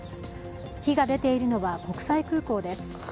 火が出ているのは国際空港です。